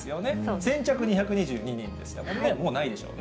先着２２２人でしたもんね、もうないでしょうね。